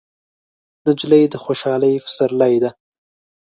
نجلۍ د خوشحالۍ پسرلی ده.